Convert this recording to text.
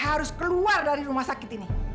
harus keluar dari rumah sakit ini